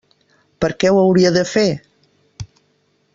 Per què ho hauria de fer?